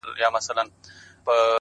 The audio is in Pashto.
هغه ليونی سوی له پايکوبه وځي’